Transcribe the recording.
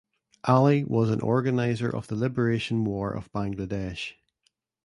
Ali was an organizer of the Liberation War of Bangladesh.